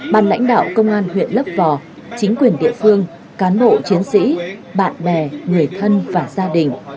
ban lãnh đạo công an huyện lấp vò chính quyền địa phương cán bộ chiến sĩ bạn bè người thân và gia đình